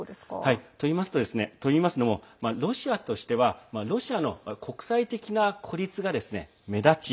といいますのも、ロシアとしてはロシアの国際的な孤立が目立ち